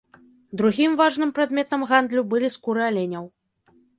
Другім важным прадметам гандлю былі скуры аленяў.